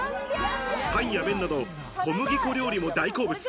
パンや麺など、小麦粉料理も大好物。